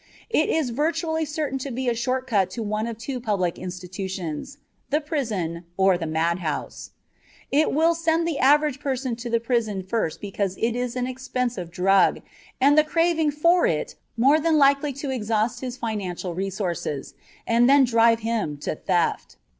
It is virtually certain to be a short cut to one of two public institutions, the prison or the madhouse. It will send the average person to the prison first because it is an expensive drug, and the craving for it is more than likely to exhaust his financial resources and then drive him to theft.